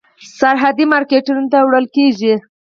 سرحدي مارکېټونو ته وړل کېږي.